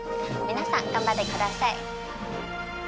皆さん頑張って下さい。